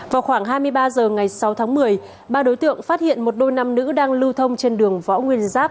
vào khoảng hai mươi ba h ngày sáu tháng một mươi ba đối tượng phát hiện một đôi nam nữ đang lưu thông trên đường võ nguyên giáp